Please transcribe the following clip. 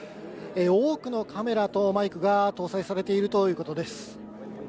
多くのカメラとマイクが搭載されているということです。